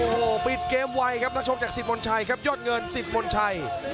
โอ้โหปิดเกมไวครับนักชกจากสิบมนชัยครับยอดเงินสิทธิมนชัย